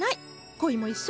恋も一緒。